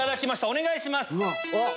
お願いします。